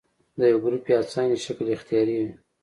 د یو ګروپ یا څانګې شکل اختیاروي.